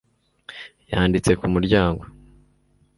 Yanditse ku muryango